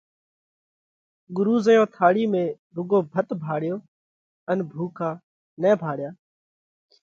ڳرُو زئيون ٿاۯِي ۾ رُوڳو ڀت ڀاۯيو ان ڀُوڪا نئہ ڀاۯيا